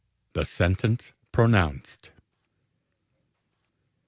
THE SENTENCE PRONOUNCED.